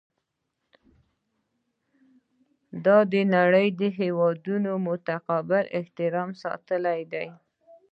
دا د نړۍ د هیوادونو متقابل احترام ساتل دي.